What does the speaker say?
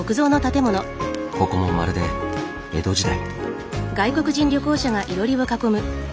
ここもまるで江戸時代。